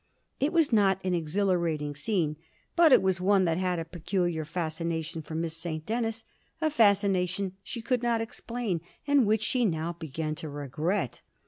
It was not an exhilarating scene, but it was one that had a peculiar fascination for Miss St. Denis a fascination she could not explain, and which she now began to regret.